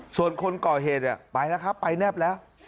ส่วนคนก่อเหตุไปแล้วครับไปแนบแล้ว